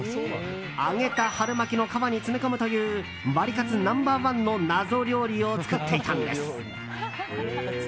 揚げた春巻きの皮に詰め込むというワリカツナンバー１の謎料理を作っていたんです。